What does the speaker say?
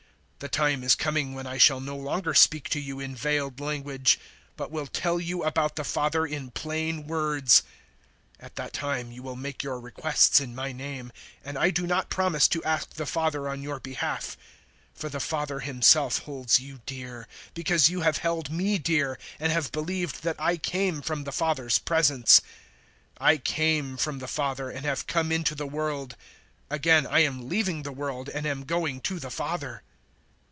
The time is coming when I shall no longer speak to you in veiled language, but will tell you about the Father in plain words. 016:026 At that time you will make your requests in my name; and I do not promise to ask the Father on your behalf, 016:027 for the Father Himself holds you dear, because you have held me dear and have believed that I came from the Father's presence. 016:028 I came from the Father and have come into the world. Again I am leaving the world and am going to the Father."